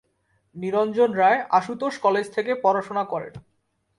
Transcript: নিরঞ্জন Roy Ashutosh college থেকে পড়াশোনা করেন।